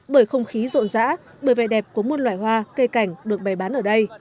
bởi không khí rộn rã bởi vẻ đẹp của môn loại hoa cây cảnh được bày bán ở đây